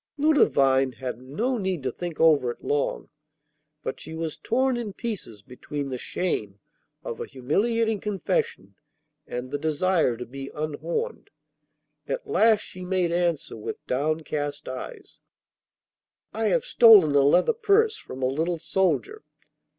Ludovine had no need to think over it long, but she was torn in pieces between the shame of a humiliating confession, and the desire to be unhorned. At last she made answer with downcast eyes, 'I have stolen a leather purse from a little soldier.